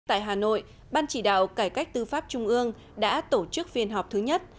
tại hà nội ban chỉ đạo cải cách tư pháp trung ương đã tổ chức phiên họp thứ nhất